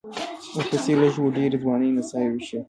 ورپسې لږ و ډېرې ځوانې نڅاوې شوې.